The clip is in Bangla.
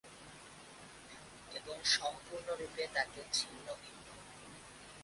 এবং সম্পূর্ণরূপে তাকে ছিন্নভিন্ন।